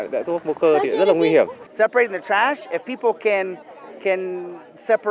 rác vô cơ thì rất là nguy hiểm